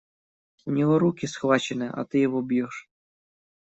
У него руки схвачены, а ты его бьешь.